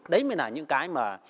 đấy mới là những cái mà